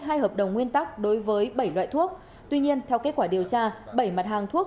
hai hợp đồng nguyên tắc đối với bảy loại thuốc tuy nhiên theo kết quả điều tra bảy mặt hàng thuốc